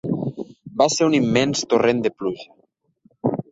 Va ser un immens torrent de pluja.